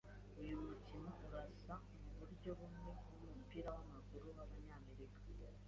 Uyu mukino urasa muburyo bumwe numupira wamaguru wabanyamerika.